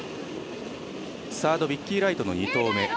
サード、ビッキー・ライト２投目。